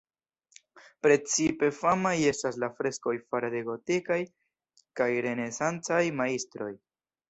Precipe famaj estas la freskoj fare de gotikaj kaj renesancaj majstroj.